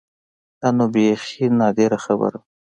دا نو بيخي نادره خبره وه.